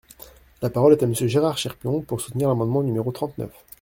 La parole est à Monsieur Gérard Cherpion, pour soutenir l’amendement numéro trente-neuf.